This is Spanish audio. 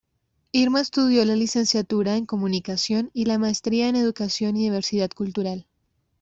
Irma estudió la licenciatura en Comunicación y la maestría en Educación y Diversidad Cultural.